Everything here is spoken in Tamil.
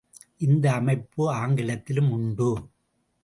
இந்த அமைப்பு ஆங்கிலத்திலும் உண்டு.